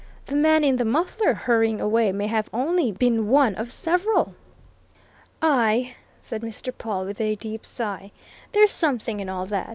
The man in the muffler, hurrying away, may have only been one of several." "Aye!" said Mr. Pawle, with a deep sigh. "There's something in all that.